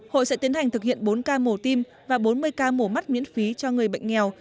hội sẽ tiến hành thực hiện bốn ca mổ tim và bốn mươi ca mổ mắt miễn phí cho người bệnh nghèo